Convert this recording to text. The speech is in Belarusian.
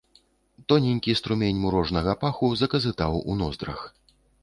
Тоненькі струмень мурожнага паху заказытаў у ноздрах.